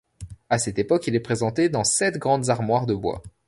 À cette époque, il est présenté dans sept grandes armoires de bois.